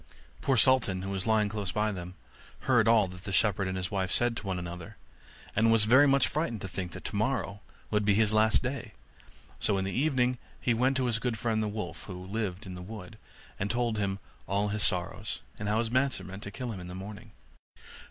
Poor Sultan, who was lying close by them, heard all that the shepherd and his wife said to one another, and was very much frightened to think tomorrow would be his last day; so in the evening he went to his good friend the wolf, who lived in the wood, and told him all his sorrows, and how his master meant to kill him in the morning.